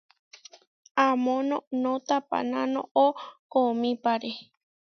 Amó noʼnó tapaná noʼó koomípare.